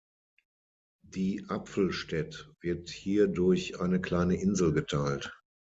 Die Apfelstädt wird hier durch eine kleine Insel geteilt.